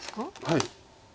はい。